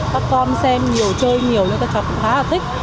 các con xem nhiều chơi nhiều nên các cháu cũng khá là thích